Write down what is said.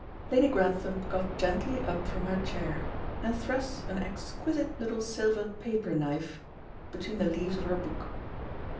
Lady Grantham got gently up from her chair, and thrust an exquisite little silver paper knife between the leaves of her book.